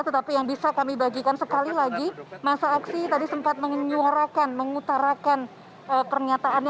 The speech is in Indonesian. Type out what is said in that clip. tetapi yang bisa kami bagikan sekali lagi masa aksi tadi sempat menyuarakan mengutarakan pernyataannya